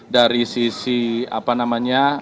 dari sisi apa namanya